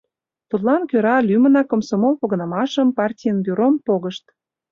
Тудлан кӧра лӱмынак комсомол погынымашым, партийный бюром погышт.